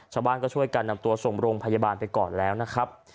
ชาวบ้านก็ช่วยกันนำตัวส่งโรงพยาบาลไปก่อนแล้วนะครับ